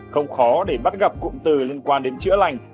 không khó để bắt gặp cụm từ liên quan đến chữa lành